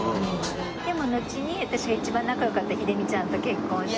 でものちに私が一番仲良かった秀美ちゃんと結婚して。